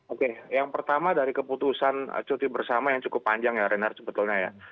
oke yang pertama dari keputusan cuti bersama yang cukup panjang ya renard sebetulnya ya